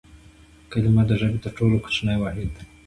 کلیمه د ژبي تر ټولو کوچنی واحد دئ.